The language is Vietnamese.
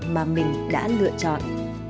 mà mình đã lựa chọn